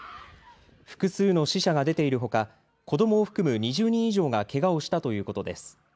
複数の死者が出ているほか子どもを含む２０人以上がけがをしたということです。